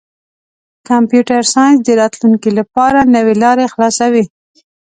کمپیوټر ساینس د راتلونکي لپاره نوې لارې خلاصوي.